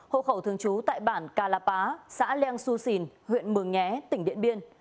hộ khẩu thường trú tại bà pá xã leang xu xìn huyện mường nghé tỉnh điện biên